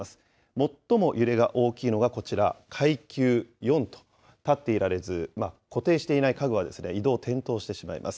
最も揺れが大きいのがこちら、階級４と、立っていられず、固定していない家具は移動、転倒してしまいます。